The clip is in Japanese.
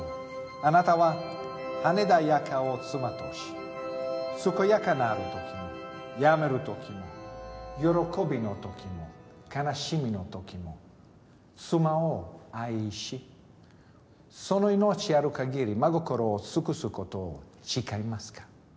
あなたは羽田綾華を妻とし健やかなるときも病めるときも喜びのときも悲しみのときも妻を愛しその命ある限り真心を尽くすことを誓いますか？